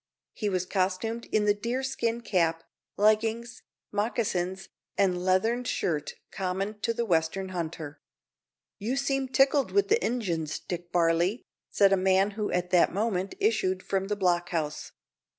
He was costumed in the deerskin cap, leggings, moccasins, and leathern shirt common to the western hunter. "You seem tickled wi' the Injuns, Dick Varley," said a man who at that moment issued from the blockhouse.